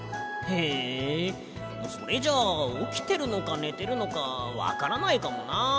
へえそれじゃあおきてるのかねてるのかわからないかもな。